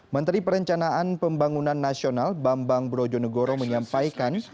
menteri perencanaan pembangunan nasional bambang brojonegoro menyampaikan